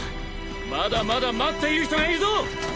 まだまだ待っている人がいるぞ。